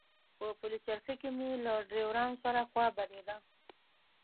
په پلچرخي کې مې له ډریورانو سره خوا بدېده.